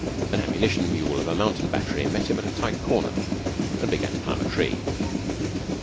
An ammunition mule of a mountain battery met him at a tight corner, and began to climb a tree.